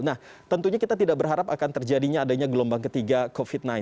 nah tentunya kita tidak berharap akan terjadinya adanya gelombang ketiga covid sembilan belas